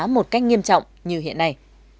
một cách nghiêm trọng như hiện nay